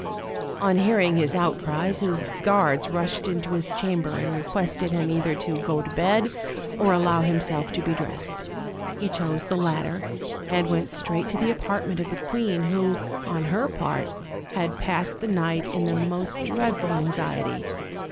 On hearing his outcries his guards rushed into his chamber and requested him either to go to bed or allow himself to be dressed. He chose the latter, and went straight to the apartment of the queen, who, on her part, had passed the night in the most dreadful anxiety.